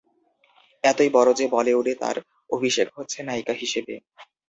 এতই বড় যে বলিউডে তাঁর অভিষেক হচ্ছে নায়িকা হিসেবে।